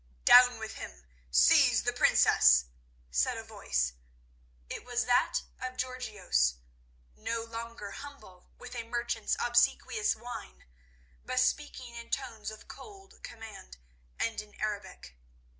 "Down with him! seize the Princess!" said a voice. It was that of Georgios, no longer humble with a merchant's obsequious whine, but speaking in tones of cold command and in Arabic.